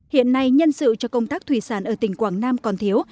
hiện nay nhân sự cho công tác thủy sản ở tỉnh quảng nam còn thiếu